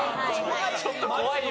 ちょっと怖いよ。